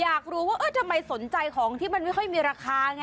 อยากรู้ว่าทำไมสนใจของที่มันไม่ค่อยมีราคาไง